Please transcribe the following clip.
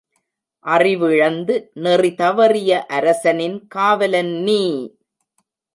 அறிவிழந்து நெறிதவறிய அரசனின் காவலன் நீ!